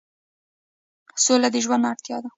سوله د ژوند اړتیا ده